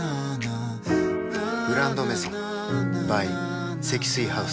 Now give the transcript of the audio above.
「グランドメゾン」ｂｙ 積水ハウス